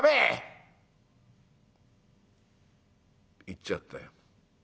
行っちゃったよ。